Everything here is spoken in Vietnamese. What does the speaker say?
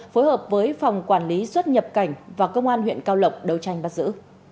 phối hợp với phòng quản lý xuất nhập cảnh và công an huyện cao lộc đấu tranh bắt giữ